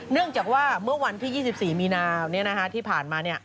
เนื่องจากว่าเมื่อวันที่๒๔มีนาที่ผ่านมา